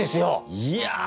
いや。